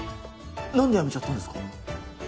なんで辞めちゃったんですか。